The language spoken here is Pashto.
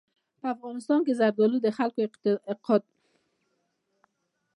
په افغانستان کې زردالو د خلکو له اعتقاداتو سره تړاو لري.